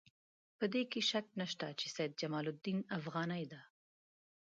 په دې کې شک نشته چې سید جمال الدین افغاني ته.